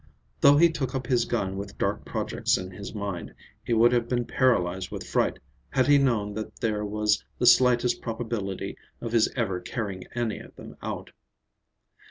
Though he took up his gun with dark projects in his mind, he would have been paralyzed with fright had he known that there was the slightest probability of his ever carrying any of them out.